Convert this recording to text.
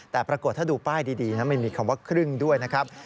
แต่ปรากฏถ้าดูป้ายดีนะไม่มีคำว่าครึ่งด้วยนะครับ